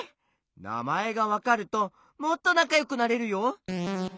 なまえがわかるともっとなかよくなれるよ。